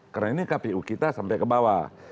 karena ini kpu kita sampai ke bawah